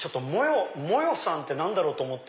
モヨさんって何だろうと思って。